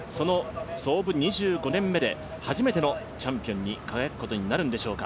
創部２５年目で初めてのチャンピオンに輝くことになるんでしょうか。